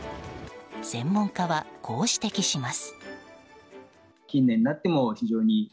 専門家は、こう指摘します。